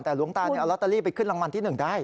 แต่หลวงตาเอาลอตเตอรี่ไปขึ้นรางวัลที่๑ได้